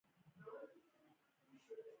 دې خلکو د نویو راستنېدونکو کډوالو سخت مخالفت وکړ.